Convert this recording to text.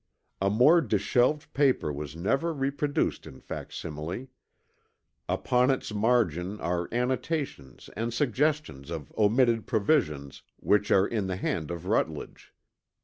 A more disheveled paper was never reproduced in facsimile. Upon its margin are annotations and suggestions of omitted provisions which are in the hand of Rutledge.